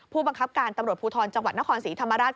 ผู้บังคับการตำรวจภูทรจังหวัดนครศรีธรรมราช